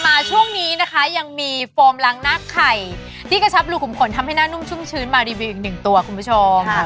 มาช่วงนี้นะคะยังมีโฟมล้างหน้าไข่ที่กระชับรูขุมขนทำให้หน้านุ่มชุ่มชื้นมารีวิวอีกหนึ่งตัวคุณผู้ชม